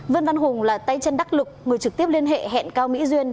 vương văn hùng là tay chân đắc lực người trực tiếp liên hệ hẹn cao mỹ duyên